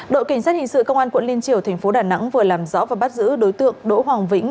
đội cảnh sát hình sự công an quận liên triều thành phố đà nẵng vừa làm rõ và bắt giữ đối tượng đỗ hoàng vĩnh